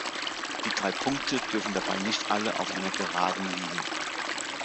Die drei Punkte dürfen dabei nicht alle auf einer Geraden liegen.